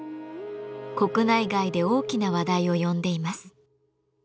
国内外で大きな話題を呼んでいます。